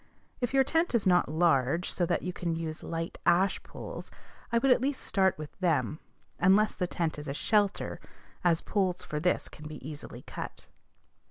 If your tent is not large, so that you can use light ash poles, I would at least start with them, unless the tent is a "shelter," as poles for this can be easily cut.